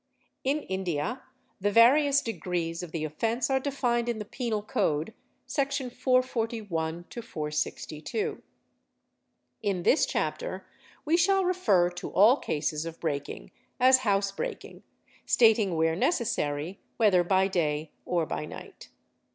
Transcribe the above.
In India the various degrees of the offence are defined in the Penal Code, Sec. 441 462. In this Chapter we shall refer to all cases of breaking as housebreaking, stating where necessary, whether by day or by night.